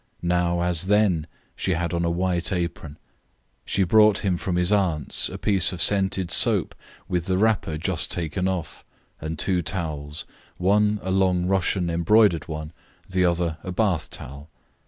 Now as then, she had on a white apron. She brought him from his aunts a piece of scented soap, with the wrapper just taken off, and two towels one a long Russian embroidered one, the other a bath towel.